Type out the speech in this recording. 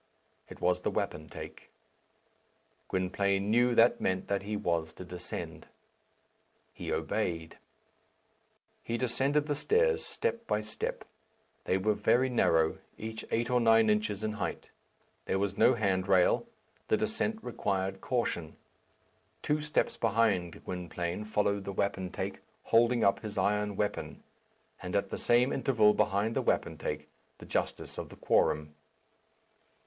It was the wapentake. Gwynplaine knew that meant that he was to descend. He obeyed. He descended the stairs step by step. They were very narrow, each eight or nine inches in height. There was no hand rail. The descent required caution. Two steps behind Gwynplaine followed the wapentake, holding up his iron weapon; and at the same interval behind the wapentake, the justice of the quorum.